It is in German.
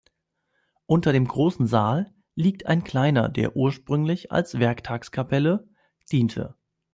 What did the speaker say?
Unter dem großen Saal liegt ein kleiner, der ursprünglich als Werktagskapelle diente.